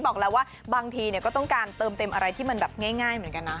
บอกแล้วว่าบางทีก็ต้องการเติมเต็มอะไรที่มันแบบง่ายเหมือนกันนะ